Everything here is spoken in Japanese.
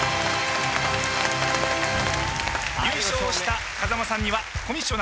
優勝した風間さんには。